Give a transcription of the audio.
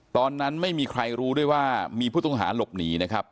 ตอนนั้นไม่มีใครรู้ด้วยว่ามีผู้ต้องหาหลบหนีนะครับ